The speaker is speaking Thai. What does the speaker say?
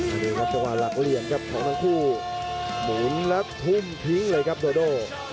อันนี้ครับจังหวะหลักเหลี่ยมครับของทั้งคู่หมุนและทุ่มทิ้งเลยครับโดโด